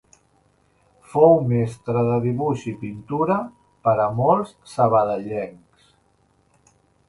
Fou mestre de dibuix i pintura per a molts sabadellencs.